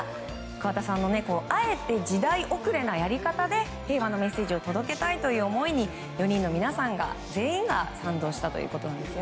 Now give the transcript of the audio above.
桑田さんのあえて時代遅れなやり方で平和へのメッセージを届けたいという思いに４人のメンバー全員が賛同したということです。